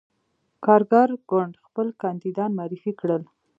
کارګر ګوند خپل کاندیدان معرفي کړل.